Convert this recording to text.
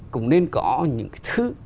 cũng nên có những thứ